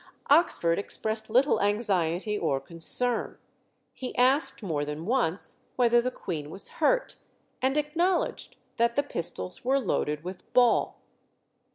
Oxford expressed little anxiety or concern. He asked more than once whether the Queen was hurt, and acknowledged that the pistols were loaded with ball.